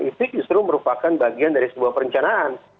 itu justru merupakan bagian dari sebuah perencanaan